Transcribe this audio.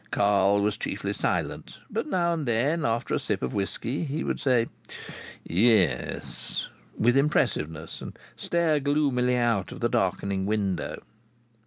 Carl was chiefly silent, but now and then, after a sip of whisky, he would say "Yes" with impressiveness and stare gloomily out of the darkening window.